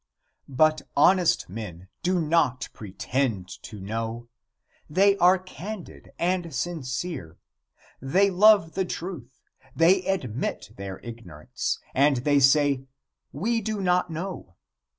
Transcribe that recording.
But honest men do not pretend to know; they are candid and sincere; they love the truth; they admit their ignorance, and they say, "We do not know."